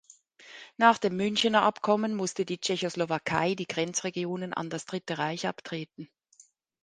Nach dem Münchener Abkommen musste die Tschechoslowakei die Grenzregionen an das Dritte Reich abtreten.